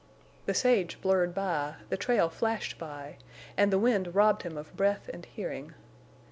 The sage blurred by, the trail flashed by, and the wind robbed him of breath and hearing.